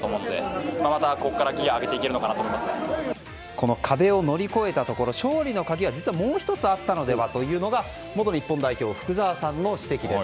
この壁を乗り越えたところ勝利の鍵は実は、もう１つあったのではというところが元日本代表、福澤さんの指摘です。